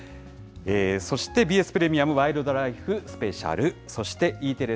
そしてＢＳプレミアム、ワイルドライフスペシャル、そしてＥテレ、ＳＷＩＴＣＨ